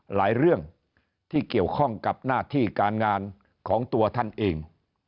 หลายเรื่องที่เกี่ยวข้องกับหน้าที่การงานของตัวท่านเอง